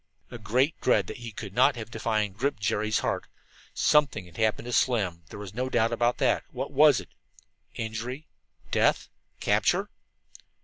A great dread that he could not have defined gripped Jerry's heart. Something had happened to Slim; there was no doubt about that. What was it? Injury? Death? Capture?